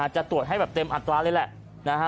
จะตรวจให้แบบเต็มอัตราเลยแหละ